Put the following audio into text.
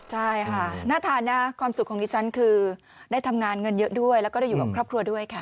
ใช่ค่ะน่าทานนะความสุขของดิฉันคือได้ทำงานเงินเยอะด้วยแล้วก็ได้อยู่กับครอบครัวด้วยค่ะ